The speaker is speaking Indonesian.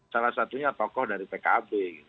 salah satunya tokoh dari pkb